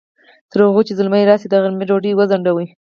تر هغې چې زلمی راځي، د غرمې ډوډۍ وځڼډوئ!